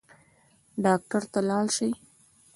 ډاکټر ته لاړ شئ